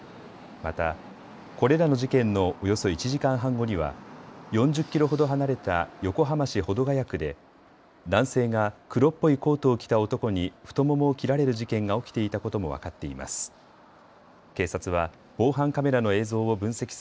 また、これらの事件のおよそ１時間半後には４０キロほど離れた横浜市保土ケ谷区で男性が黒っぽいコートを着た男に太ももを切られる事件が起きていたことも分かっています。